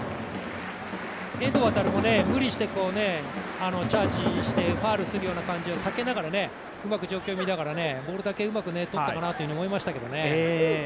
遠藤航も無理してチャージしてファウルするような感じは避けながらうまく状況を見ながらボールだけうまくとったかなと思いましたけどね。